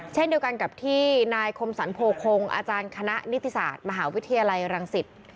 เช่นเดียวกันกับที่นายคมสรรโพคงอาจารย์คณะนิติศาสตร์มหาวิทยาลัยรังสิต